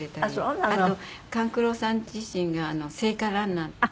あと勘九郎さん自身が聖火ランナー。